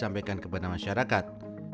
disampaikan kepada masyarakat